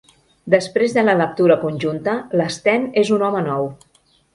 Després de la lectura conjunta, l'Sten és un home nou.